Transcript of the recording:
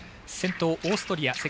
先頭、オーストリア。